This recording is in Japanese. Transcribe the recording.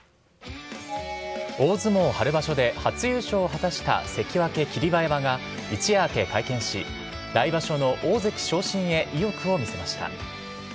大相撲春場所で初優勝を果たした関脇・霧馬山が一夜明け会見し、来場所の大関昇進へ、意欲を見せました。